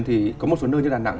thì có một số nơi như đà nẵng